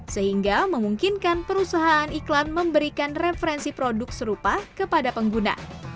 sehingga memungkinkan perusahaan iklan memberikan referensi produk serupa kepada pengguna